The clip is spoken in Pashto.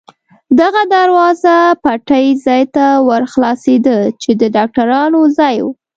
دغه دروازه پټۍ ځای ته ور خلاصېده، چې د ډاکټرانو ځای و.